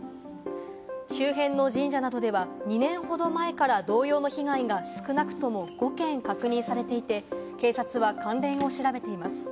周辺の神社などでは、２年ほど前から同様の被害が少なくとも５件確認されていて、警察は関連を調べています。